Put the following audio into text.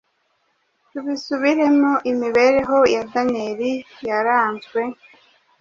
Tubisubiremo, imibereho ya Daniyeli yaranzwe